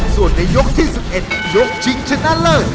ส่วนในยกที่๑๑ยกชิงชนะเลิศ